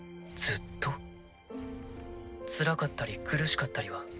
つらかったり苦しかったりは？